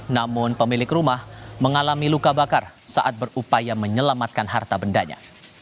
namun pemilik rumah mengalami luka bakar saat berupaya menyelamatkan harta bendanya